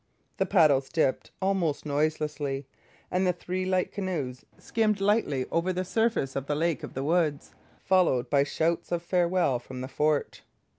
The paddles dipped almost noiselessly, and the three light canoes skimmed lightly over the surface of the Lake of the Woods, followed by shouts of farewell from the fort.